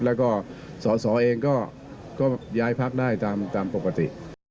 แล้วก็สอสอเองก็ย้ายพักได้ตามปกติ